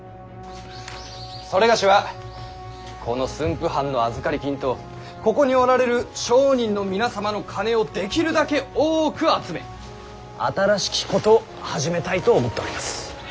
某はこの駿府藩の預かり金とここにおられる商人の皆様の金をできるだけ多く集め新しきことを始めたいと思っております。